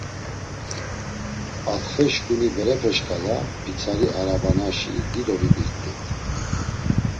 Atxe şǩuni berepe şǩala pitsari arabanaşi dido vibirt̆it.